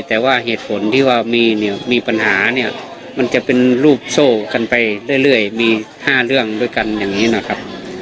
แต่ว่าเหตุผลที่ว่ามีเนี่ยมีปัญหาเนี่ยมันจะเป็นรูปโซ่กันไปเรื่อยมี๕เรื่องด้วยกันอย่างนี้นะครับ